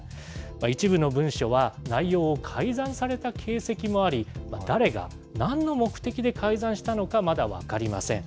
一部の文書は、内容を改ざんされた形跡もあり、誰が、なんの目的で改ざんしたのか、まだ分かりません。